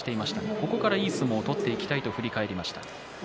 ここから、いい相撲を取っていきたいと話しています。